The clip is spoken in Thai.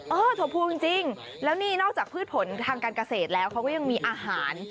ถัดภูมิจริงแล้วนี่นอกจากพืชผลทางการเกษตรแล้วเขาก็ยังมีอาหาร